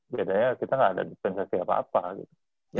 bedanya kita nggak ada dispensasi apa apa gitu